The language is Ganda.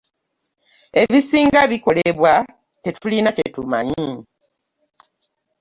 Ebisinga bikolebwa tetulina kye tumanyi.